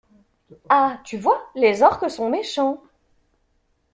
Ha tu vois, les orques sont méchants.